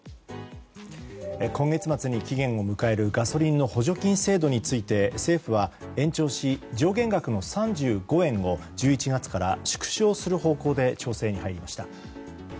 今月末に期限を迎えるガソリンの補助金制度について政府は延長し、上限額の３５円を１１月から縮小する方向で調整に入りました。